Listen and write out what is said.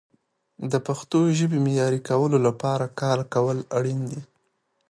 د پښتو ژبې معیاري کولو لپاره کار کول اړین دي.